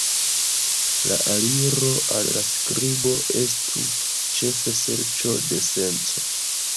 La aliro al la skribo estu ĉefe serĉo de senco.